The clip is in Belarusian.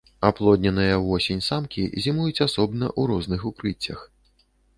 Аплодненыя ўвосень самкі зімуюць асобна ў розных укрыццях.